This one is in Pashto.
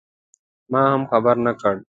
ما هم خبر نه کړ.